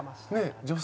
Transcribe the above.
女性。